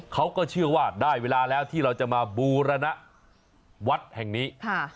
เขาก็เชื่อว่าได้เวลาแล้วที่เราจะมาบูรณะวัดแห่งนี้